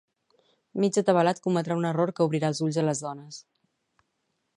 Mig atabalat cometrà un error que obrirà els ulls a les dones.